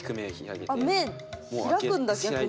あ目開くんだ逆に。